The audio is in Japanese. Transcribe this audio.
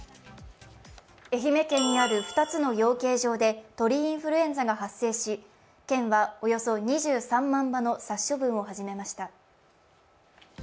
愛媛県にある２つの養鶏場で鳥インフルエンザが発生し、県はおよそ２３万羽の殺処分を始めました。